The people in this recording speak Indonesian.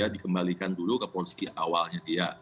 dikembalikan dulu ke porsi awalnya